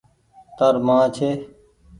تآر مان ڇي ۔